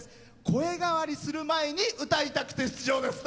声変わりする前に歌いたくて出場です。